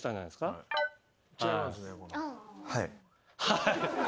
はい。